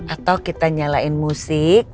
atau kita nyalain musik